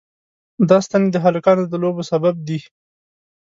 دا ستنې د هلکانو د لوبو سبب دي.